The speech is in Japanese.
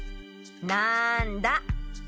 なんだ？